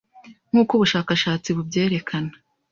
nkuko ubushakashatsi bubyerekana